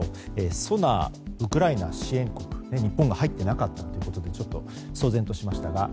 ソナー、ウクライナ支援国日本が入っていなかったと騒然としました。